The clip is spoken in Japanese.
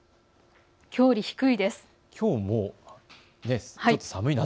きょうより低いです。